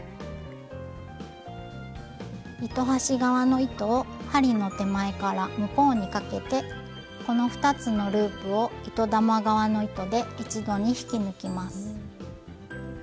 糸端側の糸を針の手前から向こうにかけてこの２つのループを糸玉側の糸で一度に引き抜きます。